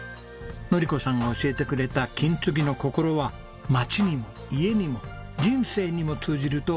のり子さんが教えてくれた金継ぎの心は町にも家にも人生にも通じると私は思いました。